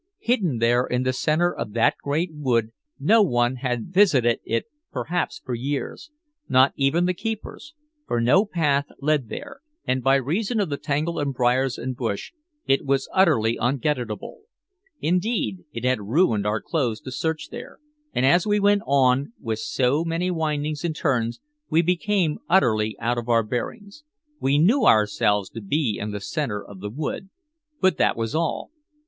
Hidden there in the center of that great wood, no one had visited it perhaps for years, not even the keepers, for no path led there, and by reason of the tangle of briars and bush it was utterly ungetatable. Indeed, it had ruined our clothes to search there, and as we went on with so many windings and turns we became utterly out of our bearings. We knew ourselves to be in the center of the wood, but that was all.